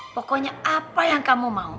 pokoknya apa yang kamu mau